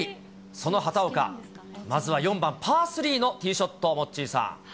その畑岡、まずは４番パースリーのティーショット、モッチーさん。